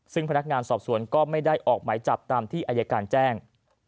ซึ่งพนักงานสอบสวนก็ไม่ได้ออกหมายจับตามที่อายการแจ้ง